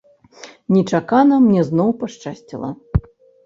Нечакана мне зноў пашчасціла.